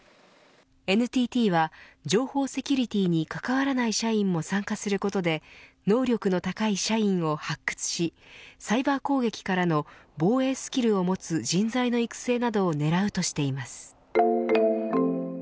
ＮＴＴは情報セキュリティーにかかわらない社員も参加することで能力の高い社員を発掘しサイバー攻撃からの防衛スキルを持つ人材の育成などをねらうとしています。